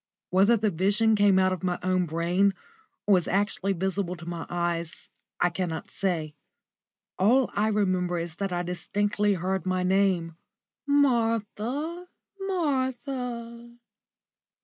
Whether the vision came out of my own brain, or was actually visible to my eyes, I cannot say. All I remember is that I distinctly heard my name, "Martha, Martha!"